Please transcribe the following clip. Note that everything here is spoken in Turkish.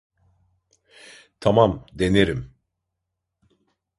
Tamam, denerim.